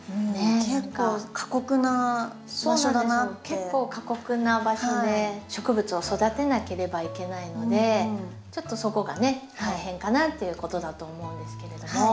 結構過酷な場所で植物を育てなければいけないのでちょっとそこがね大変かなっていうことだと思うんですけれども。